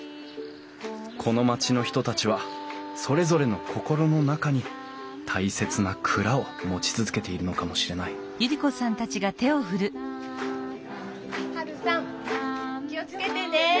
この町の人たちはそれぞれの心の中に大切な蔵を持ち続けているのかもしれないハルさん気を付けてね。